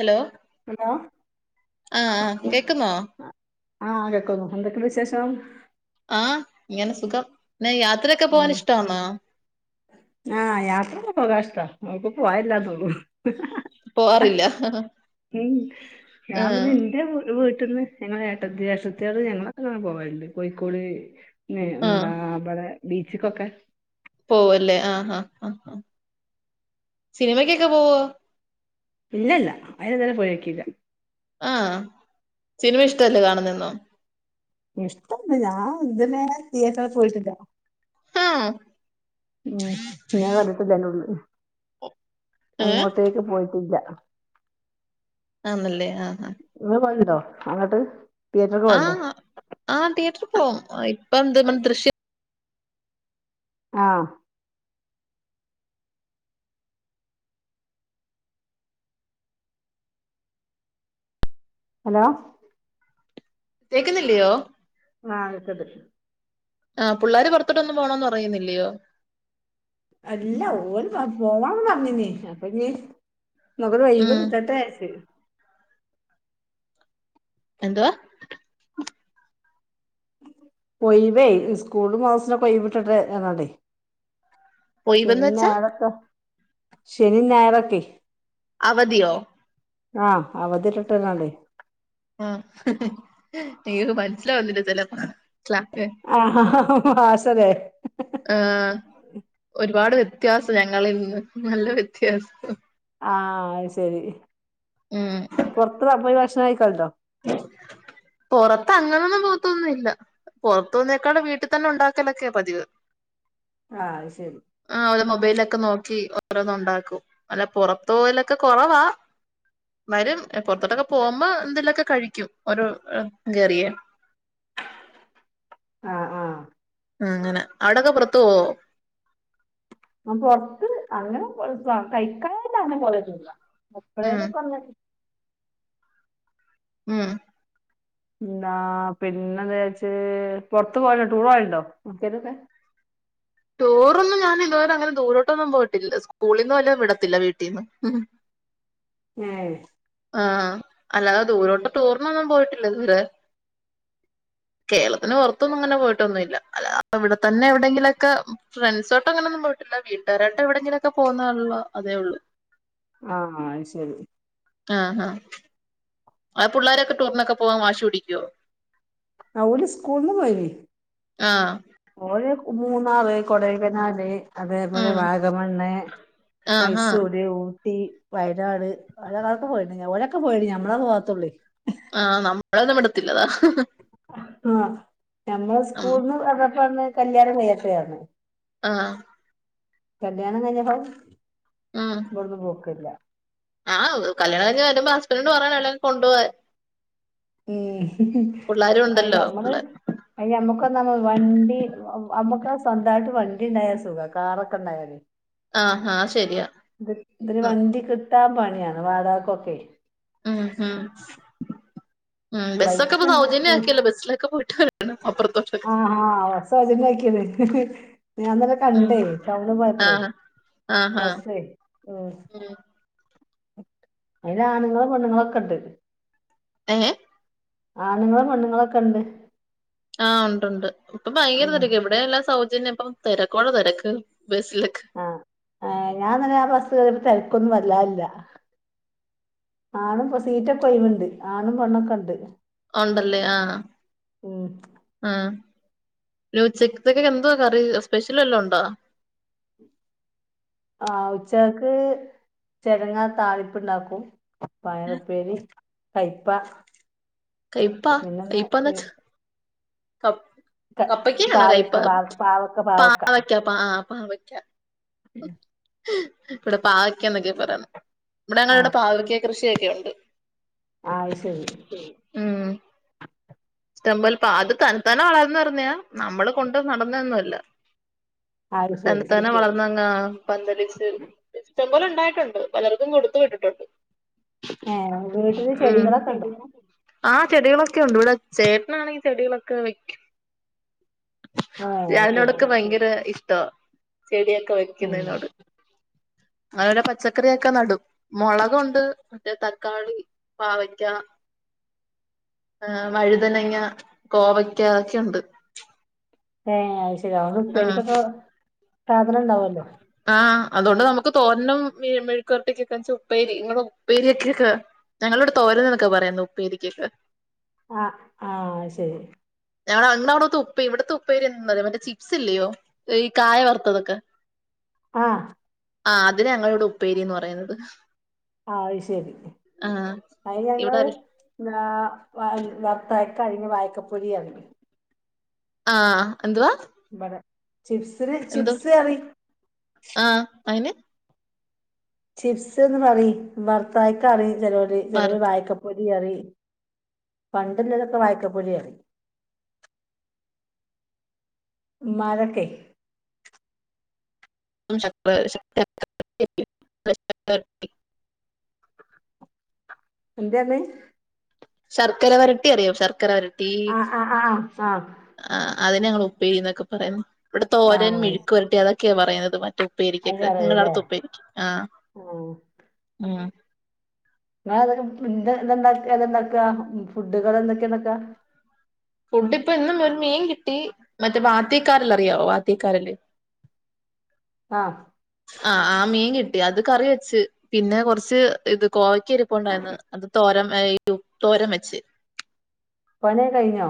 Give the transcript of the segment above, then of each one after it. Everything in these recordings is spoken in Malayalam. ഹലോ ഹലോ ആഹ കേക്കുന്നോ ആഹ കേെക്കുന്നു എന്തൊക്കെ വിശേഷം ആഹ് ഇങ്ങനെ സുഖം യാത്രയൊക്കെ പോവാൻ ഉം ഇഷ്ടാന്നോ ആഹ യാത്രക്കെ പോകാഷ്ട മക്ക പോയില്ല പോവാറില്ല ഉം ഞാൻ പിന്നെ ആഹ് എന്താ വീട്ടന്ന് ഞങ്ങള ഏട്ടത്തി ജേഷ്ടത്തികൾ ഞങ്ങള പോവേണ്ട് കോഴിക്കോട് ആഹ് എന്താ അവിടെ ബീച്ചക്കൊക്കെ പോവല്ലേ ആഹ് ആഹ് ആഹ് ആ സിനിമക്കൊക്കെ പോവോ ഇല്ല ഇല്ല അയിന് ഇത് വേറെ പോയോ ക്കീല്ല ആഹ സിനിമ ഇഷ്ടല്ലേ കാണുന്നന്നോ ഇഷ്ടംന്ന് ഞാൻ ഇതെരെ തിയേറ്ററിൽ പോയിട്ടില്ല ആഹ ഉം ഞാൻ [unintelligible] ഏഹ് അങ്ങോട്ടേക്ക് പോയിട്ടില്ല ആണല്ലേ ആഹ് ആഹ ഇങ്ങള് പോവല്ണ്ടോ അങ്ങട്ട് തിയേറ്റർക്ക് പോവല്ണ്ടോ ആഹ ആഹ തിയേറ്റർ പോവും ഇപ്പ എന്ത് ദൃശ്യം ആഹ ഹലോ കേക്കുന്നില്ലയോ ആഹ കേക്ണ്ട് ആഹ പിള്ളോര് പുറത്തോട്ടൊന്ന് പോണന്ന് അറിയുന്നില്ലയോ അല്ല ഓല പോവാന്ന് പറഞ്ഞീ അപ്പ ഇീ മഗര ഉം വഴവട്ടട്ട എന്തവാ കൊയവേ സ്കൂള് മാസനൊ കൊയി വിട്ടിട്ടെ എന്നാട്ടേ ഒയിവെന്ന് ശനി വെച്ചാ ഞായരൊക്കെ ശനി ഞായരൊക്കെ അവധിയോ ആഹ അവധിട്ടിട്ടല്ലല്ലേ ആഹ നീ മനസ്സിലാവുന്നിില്ല ചിലപ്പാണ് സ്ലാപ്പ ആഹ് മാഷല്ലേ ആഹ ഒരുപാട് വ്യത്യാസം ഞങ്ങളിന്ന് നല്ല വ്യത്യാസം ആഹത് ശരി ഉം പുൊറത്ത് പോ യി ഭക്ഷണം കയികേണ്ടോ പുൊറത്ത് അങ്ങനൊന്നും പോത്തൊന്നുംല്ല പുറത്തുന്നേക്കാള് വീട്ടിൽ തന്നെ ഉണ്ടാക്കലൊക്കെയാ പതിവ് ആഹ ശരി മബയിലൊക്കെ നോക്കി ഓരോന്ന ഉണ്ടാക്കും അല്ലെ പുറത്ത പോലൊക്കെ കുറവാ വരും പൊറത്തോട്ടൊക്കെ പോകുമ്പോ എന്തെലൊക്കെ കഴിക്കും ഒരു കേയറിയെ ആഹ ആഹ ഉം അങ്ങനെ അവിടൊക്കെ പുറത്തു പോ ന പുൊറത്ത് അങ്ങനെ കഴിക്കാട്ട അങ്ങനെ പോലെ ഉം എപ്പപ്ലെലോകുന്ന ഉം ാ പിന്നെ എന്താച്ച പൊറത്ത് പോയണ്ടോ ടൂർ പോയുണ്ടോക്കക്കെ ടൂറൊന്നും ഞാൻ ഇതുവരെ അങ്ങനെ ദൂരോട്ടൊന്നും പോയിട്ടില്ല സ്കൂളിൽന്നും വല്ല വിടത്തില്ല വീട്ടീന്ന് ഉം ആഹ അല്ലാതെ ദൂരോട്ട ടൂറിനൊന്നും പോയിട്ടില്ല ദൂരെ കേരളത്തിന് പുറത്തൊന്നും ഇങ്ങനെ പോയിട്ടൊന്നുമല്ല അല്ല ഇവിടെത്തന്നെ എവിടെങ്കില ക്കെ ഫ്രണ്ട്സോട്ടും അങ്ങനെൊന്നും പോയിട്ടില്ല വീട്ടുകാരട്ട് എവിടെങ്കിലൊക്കെ പോകുന്നുള്ളള്ള അതേ ഉള്ളൂ ആഹ ശരി ആഹ ഹഹ ആ പിള്ളോരൊക്കെ ടൂറിനൊക്കെ പോവാൻ വാശി പിടിക്കുവോ ആ ഓടി സ്കൂളന്ന് പോയിന് ആഹ ഒരു മൂന്നാറ് കൊടകനാല് അതേപോലെ ഉം വാഗമണ്ണ് ആഹ് ആഹ് മൈസൂര് കുട്ടി വയനാട് അതോക്കെ പോയിണ്ട് ഒരൊക്കെ പോയിണ്ട് ഞമ്മള പോവാത്തുള്ളി ആഹ നമ്മളന്നും വിടത്തില്ല അതാ ആ നഞമ്മള് ഉം സ്കൂളന്ന് പറന്നപ്പോന്ന് കല്യാണ യാത്രയാണ് ആഹ കല്യാണം കഴിഞ്ഞപ്പോ ഉം ഇവിടുന്ന് പോക്കില്ല ആഹ് കല്യാണം കഴിഞ്ഞു വരുമ്പോ ഹസ്ബൻഡ പറഞ്ഞല്ലെ കൊണ്ടുപോൻ ഉ അ ഉണ്ടല്ലോ നമ്മള് പിള്ളേ അ നമ്മുക്ക് നമ്മ വണ്ടി- നമ്മുക്ക് സ്വന്തമായിട്ട് വണ്ടി ഉണ്ടായ സുഖ കാറൊക്കെ ഉണ്ടായേ ആഹ് ആഹ് ശരിയാ ഇത് ഇതിന് ഉം വണ്ടി കിട്ടാൻ പണിയാണ് വാടകക്കൊക്കെ ഉം ഉം ഉം ബസ്സൊക്കെ ഇപ്പൊ ബൈക്ക്, സൗജന്യം സ്കൂട്ടി ആക്കിയല്ലോ ബസ്സിലൊക്കെ പോയിട്ട് വരണം അപ്പുറത്തോട്ടൊക്കെ ആ അവ സോചനക്കിയത് [unintelligible] ഹ് ഹ് ഞാൻന്നല്ല ഉം കണ്ടേ ടൗണിൽ പോയപ്പഴേ ആഹ് ആഹ് ആഹ് ഉം അതിൽ ആണുങ്ങളും പെണ്ണുങ്ങളോ ഒക്കെ ഇണ്ട് എ ആണുങ്ങളും പെണ്ണ്ങ്ങളൊക്കെ ഉണ്ട് ആഹ ഉണ്ട്ുണ്ട് ഇപ്പൊ ഭയങ്കര ഉം തിരക്ക് ഇവിടെല്ലാ സൗജനിയം ഇപ്പൊ തിരക്കോടെ തിരക്ക് ബസ്സിലൊക്കെ ആഹ് ഞാൻ ആ ബസ് കയറിയപ്പോൾ തിരക്കൊന്നും വലുതായിട്ട് ഇല്ല ആണും സീറ്റൊക്കെഒഴിവ് ഉണ്ട് ആണും പെണ്ണൊക്കെ ഉണ്ട് ഉണ്ടല്ലേ ആഹ ഉം ഉച്ചക്കത്തക്കക്ക എന്തോ കറി സ്പെഷ്യൽല്ലോ ഉണ്ടോ ആ ഉച്ചക്ക് ചെരങ്ങാ താളിപ്പ് ഉണ്ടാക്കും പയറപ്പേര് കയപ്പ കൈപ്പാ കഴപ്പന്നച്ച് കയ്പ്പ പാവക്ക പാവക്ക പാവക്ക പാവയ്ക്ക പാ ആഹ് പാവയ്ക്ക ശ [unintelligible] ഇപ്പടെ പാവക്ക എന്നൊക്കെ പറയു ഇവിടെ ഞങ്ങള ആ ഇവിടെ പാവക്ക കൃഷിയൊക്കെ ഉണ്ട് ആ ശരി ഇഷ്ടം പോലെ അത് തന്ന തന്നെ വളർന്ന് പറഞ്ഞ നമ്മള് കൊണ്ട് നടന്നൊന്നുംല്ല ആ അത് തന്നെ ശരി താനെ വളർന്നങ് പന്തലിച്ചു ഇച്ചം പോലെ ഉണ്ടായിട്ടുണ്ട് പലർക്കും കൊടുത്തു വിട്ടിട്ടുണ്ട് ഏഹ് വീട്ടില് മ് ചെടികളൊക്കെ ഉണ്ടോ ആഹ് ചെടികളൊക്കെ ഉണ്ട്. ഇവിടെ ചേട്ടനാണെങ്കി ചെടികളൊക്കെ വെക്കും. ആഹ് അത് ശരി അതിനോടൊക്കെ ഭയങ്കര ഇഷ്ട്ടവാ ചെടിയെക്കെ ഉം വെയ്ക്ക്ന്നതിനോട് [inaudible] അതോലെ പച്ചക്കറിഒക്കെ നടും മൊളക് ഒണ്ട് മറ്റേ തക്കാളി, പാവക്ക. [inaudible] ആഹ് വഴുതനങ്ങ, കോവക്ക ഒക്കെണ്ട് ഏ അയശെരി അവോണ്ട് ഉപ്പേരിക്കൊക്കെ സാധനണ്ടാവോലോ ആഹ് അതുകൊണ്ട് നമുക്ക് തോരനും മെഴ്ക്കൊരട്ടികൊക്കെ ഉപ്പേരി ഇങ്ങക്കൊക്കെ ഉപ്പേരി ഒക്കെക്ക ഞങ്ങളിവടെ തോരന്നൊക്കെ പറയുന്നോ ഉപ്പേരികൊക്കെ ആഹ് ആഹ് ശെരി ഞ അ അവിട്ത്തെ ഉപ്പ ഇവ്ട്ത്തെ ഉപ്പേരി എന്താറയാ മറ്റേ ചിപസ് ഇല്ലയോ ഈ കായ വർത്തതൊക്കെ ആഹ് ആ അതിനാ ഞങ്ങളിവടെ ഉപ്പേരീ ന്ന് പറയുന്നത് അയ്ശെരി ആഹ് അയ് ഇവിടെ ഞങ്ങള് ന്താ വർത്തായ്ക്കാ വായക്കപ്പൊരി പറയും ആഹ് എന്തുവാ ബടെ ചിപ്സിന് എന്തോ ചിപ്സ് പറീം ആഹ് അയിന് ചിപ്സ് ന്ന് പറയീം ബർത്തായക്കാറീം ചെലോല്. ചെലോല് വറുത്തതും വായക്ക പൊരി പറയും. പണ്ടില്ലതൊക്കെ വായക്കപ്പൊരി ആയിരുന്നു മ്മാരൊക്കെ [unintelligible] എന്തേർന്ന് ശർക്കര വരട്ടി അറിയോ ശർക്കര വര ആഹ് ആഹ് ആഹ് ആ അതിനെ ഞങ്ങൾ ഉപ്പേരിന്നൊക്കെ പറയുന്നു. ഇവടെ തോരൻ ആഹ് മെഴുക്കൊരട്ടി അതൊക്കെയാ പറയാന്ന് അത് ഉപ്പേരിക്കൊക്കെ പറയും ഇങ്ങളെ ല്ലേ അവുടത്തെ ഉപ്പേരിക്ക് ആഹ് ആഹ് മ് ങ്ങളെന്തൊക്കെ ഫുഡ്ഡ് എന്തണ്ടാക്കാ ഫുഡ്ഡ്കളെന്തൊക്കെ ണ്ടാക്കാ ഫുഡ് ഇപ്പൊ ഇന്ന് ഒരു മീൻ കിട്ടി മറ്റേ വാത്തിക്കാരൽ അറിയാവോ വാത്തിക്കാരൽ ആഹ് ആഹ് ആ മീൻ കിട്ടി അത് കറി വെച്ച് പിന്നെ കൊറച്ച് ഇത് കോവക്ക ഇരിപ്പുണ്ടായിര്ന്നു അത് തോരൻ വേ ഉപ് തോരം വെച്ച് പണിക്കെ കഴിഞ്ഞോ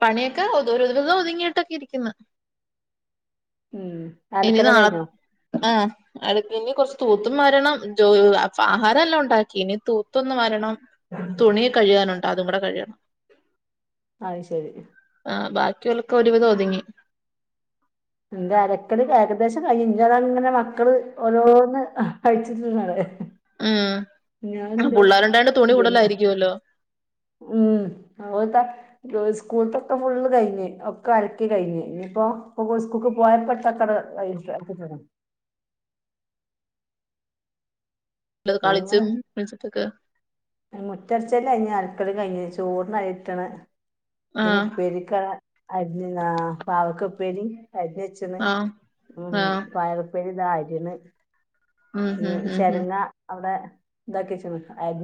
പണിയക്കെ [unintelligible] ഒതുങ്ങിട്ടൊക്കെ ഇരിക്കുന്നു ഉം ഇനി അലക്കലൊക്കെ നാളെ കഴിഞ്ഞോ ആഹ് അടു ഇനി കൊറച്ച് തൂത്തും വാരണം ജോ ആഹാരം എല്ലാം ഉണ്ടാക്കി ഇനി തൂത്തൊന്ന് വാരണം തുണി കഴ്കാനുണ്ട് അതും കൂടെ കഴ്കണം. അത് ശരി ആഹ് ബാക്കിയുള്ളക്കെ ഒരുവിതം ഒത്ങ്ങി. എന്റെ അലക്കല് ഏകദേശം കയ്ഞ് ഞ്ഞിതങ്ങനെ മക്കള് ഓരോന്ന് കഴിച്ച്ട്ണ് ഉം ഞാൻ എന്ത് പുള്ളേരുണ്ടായോണ്ട് തുണി പിന്നെ കൂടുതലായിരിക്കുവല്ലോ ഉം അതാ സ്കൂളത്തൊക്കെ ഫുള്ള് കഴിഞ്ഞ് ഒക്കെ അലക്കി കഴിഞ്ഞ് ഞ്ഞിപ്പോ സ്കൂൾക്ക് പോയപ്പട്ട ഞങ്ങള് കളിച്ചും മെയ്ച്ച്ട്ടൊക്കെ മുറ്റടിച്ചല് കയിഞ് അലക്കലും കയ്ഞ് ചോറിനരിട്ടണ് ഇതിന് ആഹ് ഉപ്പേരിക്കരിഞ്ഞ് ആഹ് പാവക്കപ്പേരീം അറിഞ്ഞേച്ചക്കണ് ആഹ് ആഹ് പയർപ്പേരിക്ക് ദാ അരിയണ് ഉം പിന്നേ ഉം ഉം ഉം ചെരങ്ങ അവടെ ഇതാക്കി വെച്ച്ണ് അരി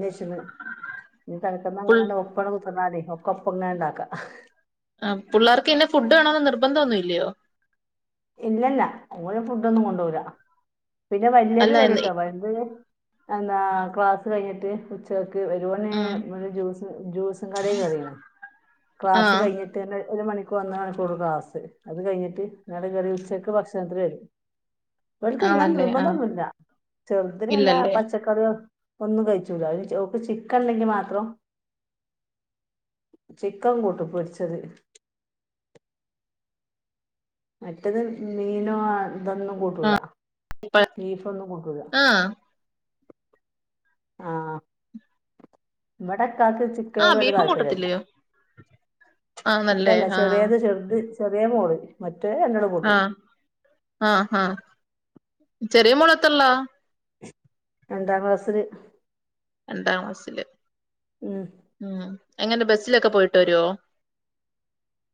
തനക്കന്ന പുൾ അങ്ങനെ ഒപ്പ കുത്തന്നാ മതി ഒക്ക ഒപ്പ ഇങ്ങനെ ഉണ്ടാക്ക ആ പിള്ളേർക്ക് ഇന്നെ ഫുഡ് വേണമന്ന് നിർബന്ധം ഒന്നുമ ഇല്ലയോ ഇല്ലല്ല ഓങ്ങര ഫുഡ ഒന്നും കൊണ്ട പോരാ പിന്നെ വലിയത് അല്ല വര എന്ന് കേട്ടോ വലുത് എന്നന്താ ക്ലാസ് കഴിഞ്ഞിട്ട് ഉച്ച പോെ ഉം ജ്യൂ ജ്യൂസും കടെ കറിയണേ ക്ലാസ് ആഹ് കഴിഞ്ഞിട്ട് ഒരു മണി ക്ക് വന്ന മണിക്കൂടു ക്ലസ് അത് കഴിഞ്ഞിട്ട് നിട കയറി ഉച്ചക്ക് ഭക്ഷണത്തി വരും ഇൾക്ക് ഇന്നാ ആണല്ലേ ആഹ് നിർബന്ധൊന്നുമില്ല ചെറുതിരന്ന ഇല്ലല്ലേ പച്ചക്കറിയോ ഒന്നും കഴിച്ചൂല അ ചക്ക് ചിക്കൻണ്ടെങ്കി മാത്രം ചിക്കൻ കൂട്ട് പൊടിച്ചത് മറ്റത് മീനോ അതൊന്നും കൂട്ടൂല ഇപ്പ ബീഫ ഒന്നും കൂട്ടൂല ആഹ് ആഹ ഇവിടെ കക്ക് ആഹ് ചിക്കനോട് വ ബീഫും താല്പര്യല്ല കൂട്ടത്തില്ലയോ ആന്നല്ലേ ഇല്ലല്ല ആഹ് ചെറിയത് ചെറുത് ചെറിയ മോള് മ ആഹ ആഹ ആഹ ചെറിയ മുളത്തല്ലാ രണ്ടാം ക്ലാസ്സില് രണ്ടാം ക്ലാസില് ഉം ഉം എങ്ങനെ ബസിലൊക്കെ പോയിട്ട് വരുവോ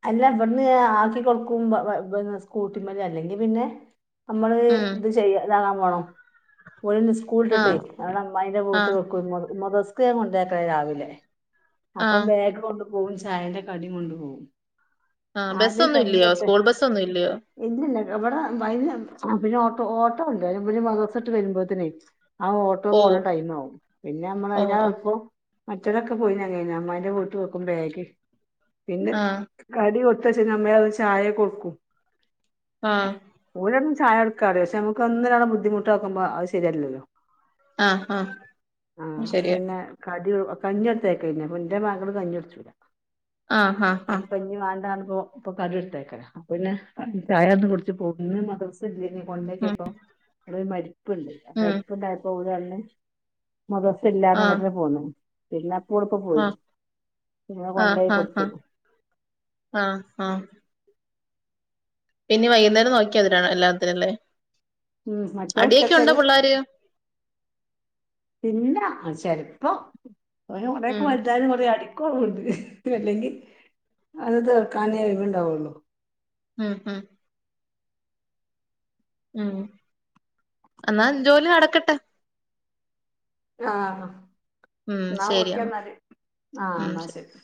അല്ല എവിടുന്ന് ആക്കി കൊടുക്കുംപ സ്കൂട്ടിമാര് അല്ലെങ്കിൽ പിന്നെ നമ്മള് ഉം ഇത് ചെയ്യ ഇതാകാൻ പോണോ മുഴ സ്കൂളിട്ടി ആഹ് അവിടെ അമ്മ അയിൻന്റെ വീട്ട് ആഹ് വെക്ക മുതസ്ക്യ കൊണ്ടേക്കണ രാവിലെ അപ്പം ആഹ് ബേഗ കൊണ്ട് പോകവും ചായന്റെ കടിയും കൊണ്ടു പോകവും ആഹ് അത് ബസ്സൊന്നും ഇല്ലയോ കഴഞ്ഞട്ടെ സ്കൂൾ ബസ്സൊന്നും ഇല്ലയോ എതില്ല എവിടെ വൈ പിന്നെ ഓട്ടോ ഓട്ടോ ഉണ്ടായാലും പിെ മദോസട്ട് വരുമ്പോത്തനേ ആ ഓട്ടോ പോണ പോവോ ടൈം ആകും പിന്നെ നമ്മൾ ഓ അതിനാ ഓ അപ്പ മറ്റടൊക്കെ പോയിന അമ്മാന്റെ വീട്ട് വെക്കുമ്പോഴേക്ക് ആഹ് അടി കൊടുത്തച്ച നമ്മ ചായെ കൊടുക്കും ആഹ് ചായഴടുക്കാത പക്ഷെ നുക്ക് ഒന്നോണ് ബുദ്ധിമുട്ടോുമ്പോ അത് ശരിയല്ലോ ആഹ് ആഹ് ആഹ അത് അപ്പൊ ശരിയാ പിന്നെ കടി കഞ്ഞെടുത്തക്കന്നെപ്പന്റെ മകൾ കഞ്ഞി അടിച്ചൂട ആഹ് ആഹ് ആഹ ഇപ്പൊ കരുടുത്തേക്ക പിന്നെ ചായന്ന് കുടിച്ച് പോ മ പണ്ക്കെ ഉം അപ്പ നമ്മരു മരിപ്പുണ്ട് ഉം മരിപ്പുണ്ടായപ്പോ ഓന്ന് ഡ്രസ്സ്സ ഇല്ലാ ആഹ് നഗരു പോന്നേ പിന്നെ ടുപ്പ പോയി ആഹ് പിന്നെ ആഹ് കൊണ്ടയി ആഹ് കൊടുത്ത ആഹ് ആഹ് ആഹ് ഇനി വൈകുന്നേരം നോക്കിയ അതിനാണ് എല്ലാത്തിനുംല്ലേ ഉ അടിയൊക്കെ ഉണ്ടോ മറ്റവർച്ചക്കരു പിള്ളേര് പിന്നെ ചെലപ്പ കൊറൊക്കെ ഉം വൽതായും കൊറടി ണ്ട് അല്ലെങ്കിൽ അത് തീർക്കാനേഴിണ്ടാവുള്ളു ആഹ് ഹഹ ഉം എന്നാ ജോലി നടക്കട്ടെ ആഹ് ഉം എന്നാ ശരി ഓക്കെന്നാല് ആഹ് എന്നാ ശരി